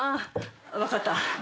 分かった。